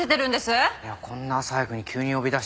いやこんな朝早くに急に呼び出して。